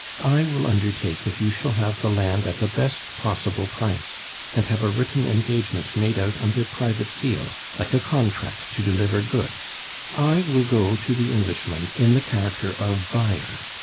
I will undertake that you shall have the land at the best possible price, and have a written engagement made out under private seal, like a contract to deliver goods.... I will go to the Englishman in the character of buyer.